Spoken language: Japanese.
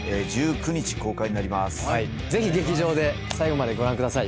ぜひ劇場で最後までご覧ください。